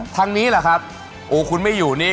ทางนี้แหละครับโอ้คุณไม่อยู่นี่